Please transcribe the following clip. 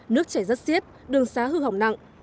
nước chảy rất xiết đường xá hư hỏng nặng